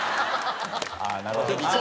ああなるほど。